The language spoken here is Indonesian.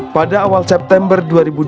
pada awal september dua ribu dua puluh